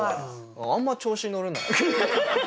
あんま調子に乗るなよ。